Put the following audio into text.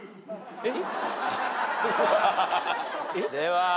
えっ